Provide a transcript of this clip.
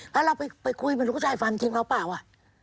แล้วเราไปคุยไม่รู้ชายฟันจริงแล้วเปล่าอ่ะ